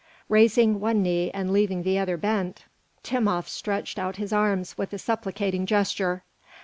Raising one knee and leaving the other bent, Timopht stretched out his arms with a supplicating gesture.